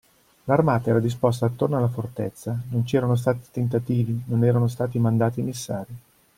L'armata era disposta attorno alla fortezza, non c'erano stati tentativi, non erano stati mandati emissari.